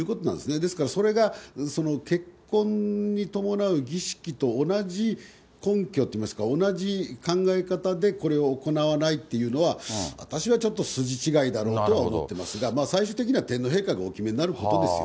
ですから、それが結婚に伴う儀式と同じ根拠といいますか、同じ考え方でこれを行わないというのは、私はちょっと筋違いだろうとは思っていますが、最終的には天皇陛下がお決めになることですよ。